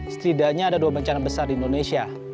setidaknya ada dua bencana besar di indonesia